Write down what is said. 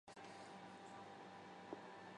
此处读若重唇是古音的保留。